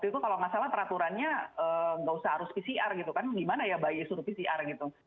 itu kalau nggak salah peraturannya nggak usah harus pcr gitu kan gimana ya bayi suruh pcr gitu